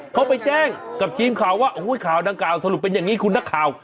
เขาไปแจ้งกับทีมข่าวว่าข่าวดังกล่าสรุปเป็นอย่างนี้คุณนักข่าว